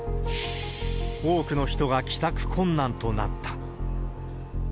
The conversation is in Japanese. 多くの人が帰宅困難となった。